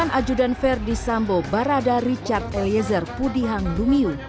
mantan ajudan verdi sambo barada richard eliezer pudihang lumiu